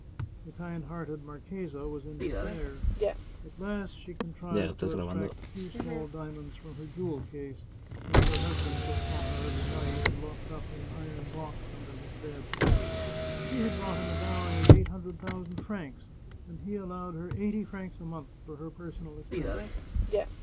The kind hearted marchesa was in despair. At last she contrived to abstract a few small diamonds from her jewel case, which her husband took from her every night and locked up in an iron box under his bed. She had brought him a dowry of eight hundred thousand francs, and he allowed her eighty francs a month for her personal expenses.